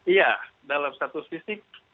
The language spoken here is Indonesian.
iya dalam satu sisi